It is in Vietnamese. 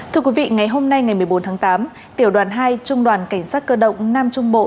thưa quý vị ngày hôm nay ngày một mươi bốn tháng tám tiểu đoàn hai trung đoàn cảnh sát cơ động nam trung bộ